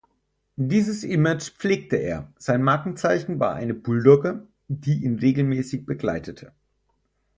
Dieses Image pflegte er; sein Markenzeichen war eine Bulldogge, die ihn regelmäßig begleitete.